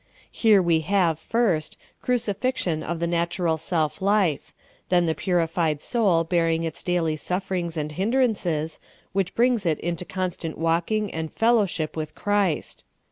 Here we have, first, crucifixion of the natural self life ; then the purified soul bearing its daily sufferings and hindrances, which brings it into constant walking and fellowship with Christ.